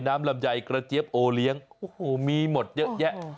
ลำไยกระเจี๊ยบโอเลี้ยงโอ้โหมีหมดเยอะแยะ